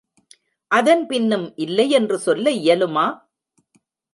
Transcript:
அதன் பின்னும் இல்லையென்று சொல்ல இயலுமா?